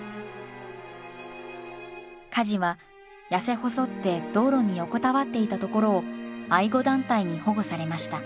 カジは痩せ細って道路に横たわっていたところを愛護団体に保護されました。